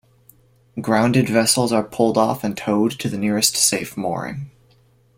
Grounded vessels are pulled off and towed to the nearest safe mooring.